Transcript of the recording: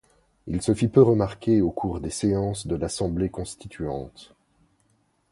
Il se fit peu remarquer au cours des séances de l'Assemblée constituante.